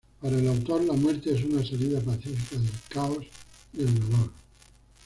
Para el autor, la muerte es una salida pacífica del caos y el dolor.